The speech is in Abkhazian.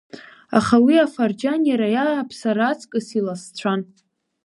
Аха уи афырџьан иара иааԥсара аҵкыс иласцәан.